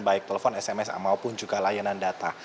baik telepon sms maupun juga layanan data